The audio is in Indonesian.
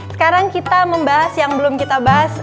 sekarang kita membahas yang belum kita bahas